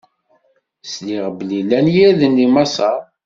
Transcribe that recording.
Sliɣ belli llan yirden di Maṣer.